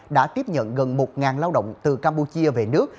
đã tiếp nhận gần một lao động từ campuchia về nước